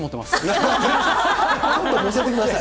今度乗せてください。